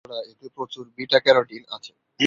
তাছাড়া এতে প্রচুর বিটা-ক্যারোটিন আছে।